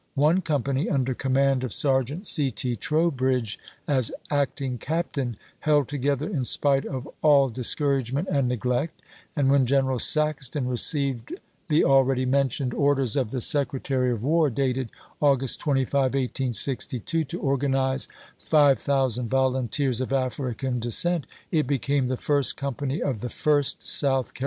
One com pany, under command of Sergeant C. T. Trowbridge as acting captain, held together in spite of all dis couragement and neglect, and when General Saxton received the already mentioned orders of the Sec NEGRO SOLDIERS 445 retary of War, dated August 25, 1862, to organize chap.xx. five thousand volunteers of African descent, it became the first company of the Fu^st South Car HiffKinson.